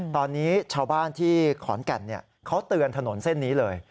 ตอนนี้ชาวบ้านที่ขอนแก่นเขาเตือนถนนเส้นนี้เลย